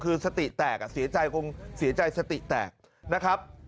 คือสติแตกเสียใจคงเสียใจสติแตกนะครับ